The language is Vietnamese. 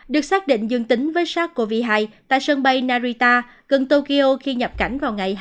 được xác định dương tính với sars cov hai tại sân bay narita gần tokyo khi nhập cảnh